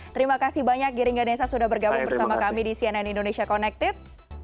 terima kasih banyak giring ganesa sudah bergabung bersama kami di cnn indonesia connected